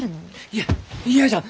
いや嫌じゃ！